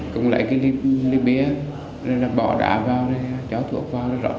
cùng lấy cái ly bia bỏ đạ vào cho thuốc vào